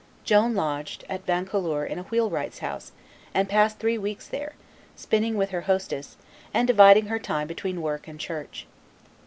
Joan lodged at Vaucouleurs in a wheelwright's house, and passed three weeks there, spinning with her hostess, and dividing her time between work and church.